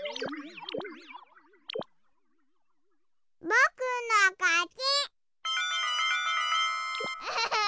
ぼくのかち。